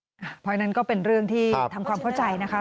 เพราะฉะนั้นก็เป็นเรื่องที่ทำความเข้าใจนะคะ